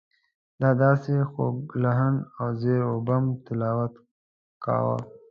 ده داسې خوږ لحن او زیر و بم تلاوت کاوه.